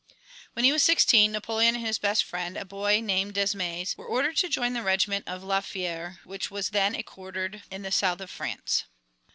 When he was sixteen Napoleon and his best friend, a boy named Desmazis, were ordered to join the regiment of La Fère which was then quartered in the south of France.